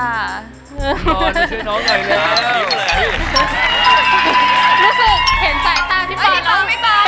รู้สึกเห็นสายตาพี่บอล